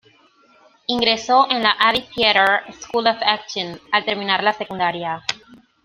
Ingresó en la Abbey Theatre School of Acting al terminar la secundaria.